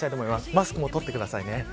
マスクも取ってくださいね。